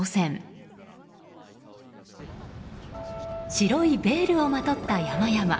白いベールをまとった山々。